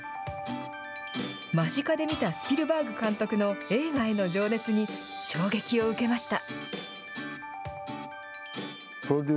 間近で見たスピルバーグ監督の映画への情熱に衝撃を受けました。